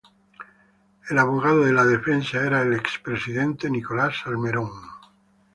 El abogado de la defensa era el expresidente Nicolás Salmerón.